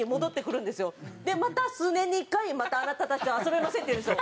また数年に１回また「あなたたちとは遊べません」って言うんですよ。